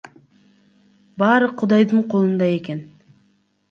Баары Кудайдын колунда экен.